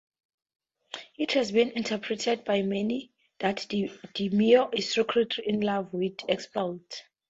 It has been interpreted by many that Dameon is secretly in love with Elspeth.